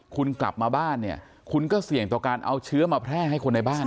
คุณกลับมาบ้านเนี่ยคุณก็เสี่ยงต่อการเอาเชื้อมาแพร่ให้คนในบ้าน